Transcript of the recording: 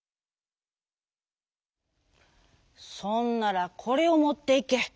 「そんならこれをもっていけ。